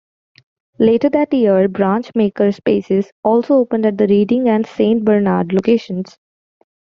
Later that year, branch MakerSpaces also opened at the Reading and Saint Bernard locations.